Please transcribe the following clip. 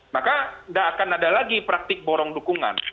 maka tidak akan ada lagi praktik borong dukungan